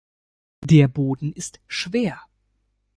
Der Boden ist schwer.